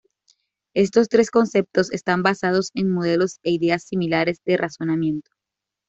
Estos tres conceptos están basados en modelos e ideas similares de razonamiento.